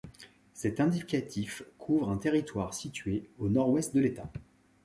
Cet indicatif couvre un territoire situé au nord-ouest de l'État.